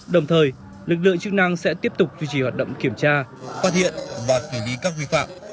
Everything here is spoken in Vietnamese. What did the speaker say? đồng thời lực lượng chức năng sẽ tiếp tục duy trì hoạt động kiểm tra phát hiện và xử lý các vi phạm